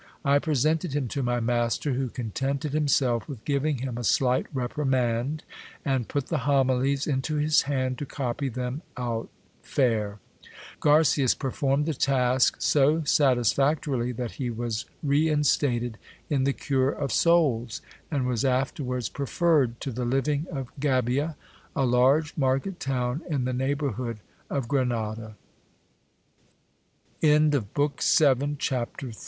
I presented him to my master, who contented himself with giving him a slight reprimand, and put the homilies into his hand, to copy them out fair. Garcias performed the task so satisfactorily, that he was reinstated in the cure of souls, and was afterwards preferred to the living of Gabia, a large market town in